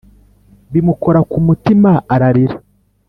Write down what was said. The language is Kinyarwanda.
bimukora ku mutima ararira